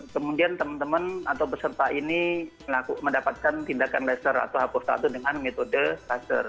kemudian teman teman atau peserta ini mendapatkan tindakan laser atau hapus satu dengan metode kluster